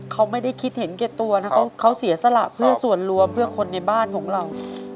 เขาไม่ได้คิดเห็นแก่ตัวนะเขาเสียสละเพื่อส่วนรวมเพื่อคนในบ้านของเรา